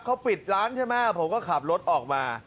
เขาปิดร้านใช่ไหมผมก็ขับรถออกมา